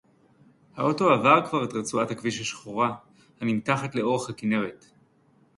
הָאוֹטוֹ עָבַר כְּבָר אֶת רְצוּעַת הַכְּבִישׁ הַשְּׁחֹרָה הַנִּמְתַּחַת לְאֹרֶךְ הַכִּנֶּרֶת